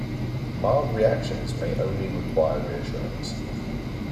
Mild reactions may only require reassurance.